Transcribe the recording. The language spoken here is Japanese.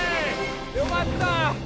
よかった！